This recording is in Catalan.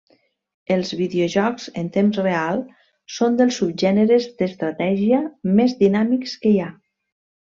Els videojocs en temps real són dels subgèneres d’estratègia més dinàmics que hi ha.